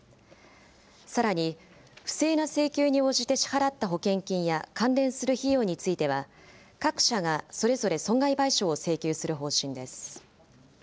さらに、不正な請求に応じて支払った保険金や関連する費用については、各社がそれぞれ損害賠償を請求する方針です。